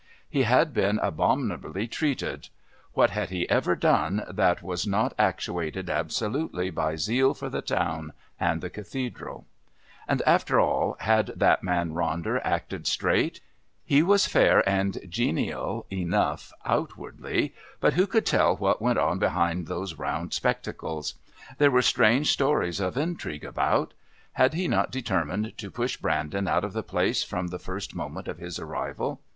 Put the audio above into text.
He had been abominably treated. What had he ever done that was not actuated absolutely by zeal for the town and the Cathedral? And, after all, had that man Ronder acted straight? He was fair and genial enough outwardly, but who could tell what went on behind those round spectacles? There were strange stories of intrigue about. Had he not determined to push Brandon out of the place from the first moment of his arrival?